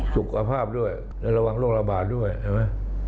สุขภาพด้วยและระวังโรคระบาดด้วยใช่ไหม